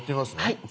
はい。